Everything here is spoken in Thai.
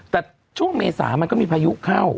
แต่ช่วงเมษามันก็มีพายุเข้า